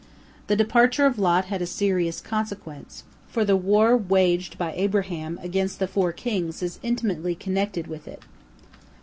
The departure of Lot had a serious consequence, for the war waged by Abraham against the four kings is intimately connected with it.